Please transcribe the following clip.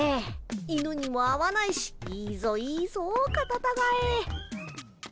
犬にも会わないしいいぞいいぞカタタガエ。